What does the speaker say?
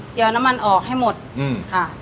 เจียวน้ำมันออกให้หมดค่ะ